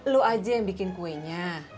lu aja yang bikin kuenya